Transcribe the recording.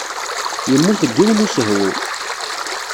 Yemmut deg yiwen n usehwu.